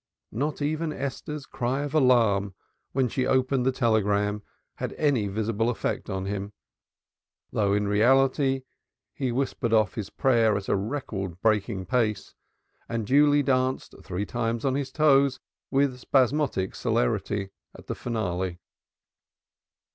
Not even Esther's cry of alarm when she opened the telegram had any visible effect upon him, though in reality he whispered off his prayer at a record beating rate and duly danced three times on his toes with spasmodic celerity at the finale.